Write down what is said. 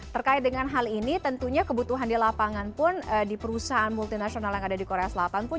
terkait dengan hal ini tentunya kebutuhan di lapangan pun di perusahaan multinasional yang ada di korea selatan pun